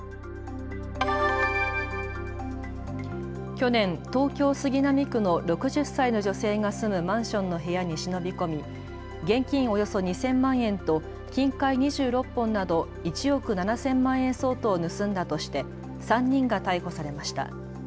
去年、東京杉並区の６０歳の女性が住むマンションの部屋に忍び込み現金およそ２０００万円と金塊２６本など１億７０００万円相当を盗んだとして３人が逮捕されました。